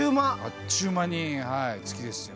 あっちゅう間に月ですよ。